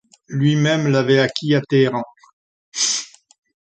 Lui-même l'avait acquis à Téhéran.